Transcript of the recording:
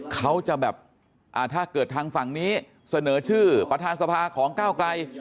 เขาจะแบบถ้าเกิดทางฝั่งนี้เสนอชื่อประธานสภาของก้าวไกล